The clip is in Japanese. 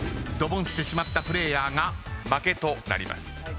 ドボンしてしまったプレーヤーが負けとなります。